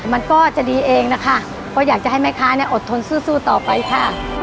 มันก็จะดีเองนะคะเพราะอยากจะให้แม่ค้าเนี่ยอดทนสู้ต่อไปค่ะ